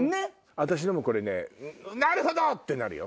私のも「なるほど！」ってなるよ。